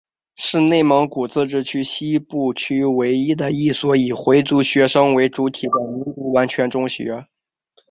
是内蒙古自治区西部区唯一的一所以回族学生为主体的民族完全中学。